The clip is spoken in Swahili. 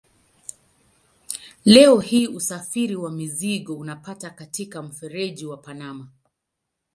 Leo hii usafiri wa mizigo unapita katika mfereji wa Panama.